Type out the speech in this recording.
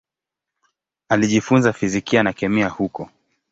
Alijifunza fizikia na kemia huko.